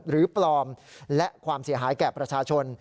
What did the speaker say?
ปลอมและความเสียหายแก่ประชาชน